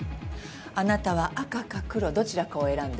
あなたは赤か黒どちらかを選んで。